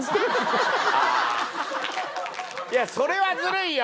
いやそれはずるいよ！